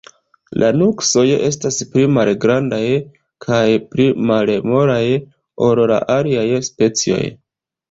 La nuksoj estas pli malgrandaj kaj pli malmolaj, ol la aliaj specioj.